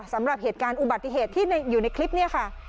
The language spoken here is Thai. สำหรับเหตุการณ์อุบัติเหตุที่อยู่ในคลิปนี้ค่ะ